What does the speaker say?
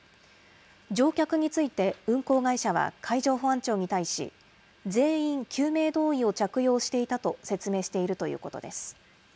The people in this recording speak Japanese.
乗客について運航会社は海上保安庁に対し、全員救命胴衣を着用していたと説明しているということです。